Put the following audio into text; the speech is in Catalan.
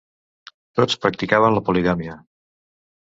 Tots practicaven la poligàmia.